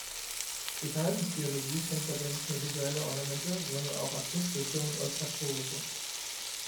Die Verhaltensbiologie kennt dabei nicht nur visuelle Ornamente, sondern auch akustische und olfaktorische.